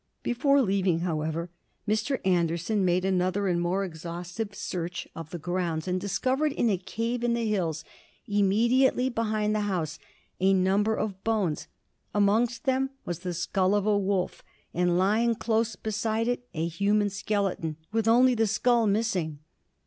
Before leaving, however, Mr. Anderson made another and more exhaustive search of the grounds, and discovered, in a cave in the hills immediately behind the house, a number of bones. Amongst them was the skull of a wolf, and lying close beside it a human skeleton, with only the skull missing.